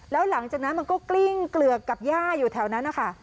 แล้วหลังจากนั้นมันก็กลิ้งเกลือกกับย่าอยู่แถวนั้นนะคะ